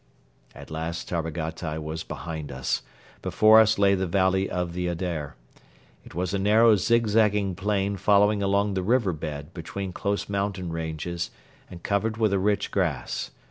At last Tarbagatai was behind us. Before us lay the valley of the Adair. It was a narrow zigzagging plain following along the river bed between close mountain ranges and covered with a rich grass.